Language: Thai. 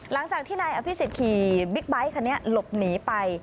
หลังจากที่นายอภิษฎขี่บิ๊กไบท์คันนี้หลบหนีไป